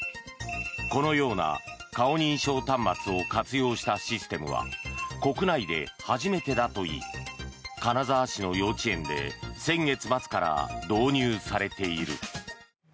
このような顔認証端末を活用したシステムは国内で初めてだといい金沢市の幼稚園で先月末から導入されている。